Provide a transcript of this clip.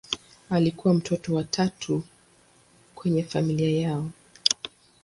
Alikuwa mtoto wa tatu kwenye familia yao.